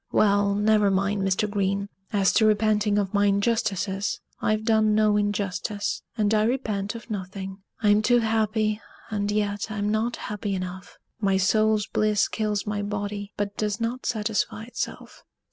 Well, never mind Mr. Green; as to repenting of my injustices, I've done no injustice, and I repent of nothing. I'm too happy, and yet I'm not happy enough. My soul's bliss kills my body, but does not satisfy itself."